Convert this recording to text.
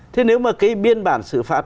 thế nếu mà cái biên bản xử phạt